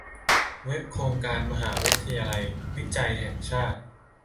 เว็บ โครงการมหาวิทยาลัยวิจัยแห่งชาติ